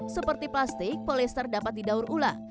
seperti plastik polyester dapat didaur ular